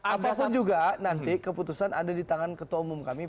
apapun juga nanti keputusan ada di tangan ketua umum kami